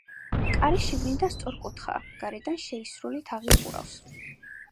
კარი შიგნით სწორკუთხაა, გარედან შეისრული თაღი ხურავს.